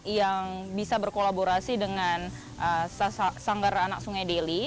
yang bisa berkolaborasi dengan sanggar anak sungai deli